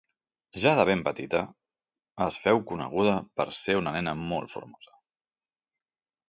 Ja de ben petita, es féu coneguda per ser una nena molt formosa.